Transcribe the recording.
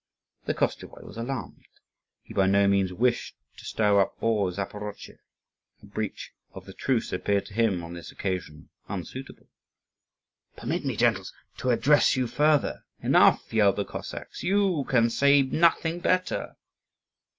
The Koschevoi was alarmed. He by no means wished to stir up all Zaporozhe; a breach of the truce appeared to him on this occasion unsuitable. "Permit me, gentles, to address you further." "Enough!" yelled the Cossacks; "you can say nothing better."